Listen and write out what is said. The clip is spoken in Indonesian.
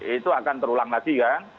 itu akan terulang lagi kan